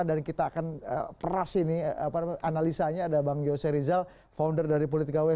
dan kita akan peras ini analisanya ada bang yose rizal founder dari politika ws